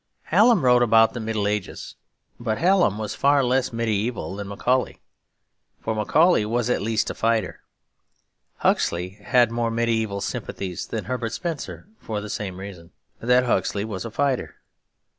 Hallam wrote about the Middle Ages; but Hallam was far less mediaeval than Macaulay; for Macaulay was at least a fighter. Huxley had more mediaeval sympathies than Herbert Spencer for the same reason; that Huxley was a fighter.